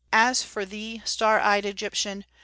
As for thee, star ey'd Egyptian!